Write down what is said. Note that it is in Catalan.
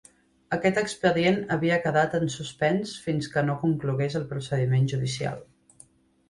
Aquest expedient havia quedat en suspens fins que no conclogués el procediment judicial.